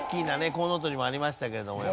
コウノトリもありましたけど。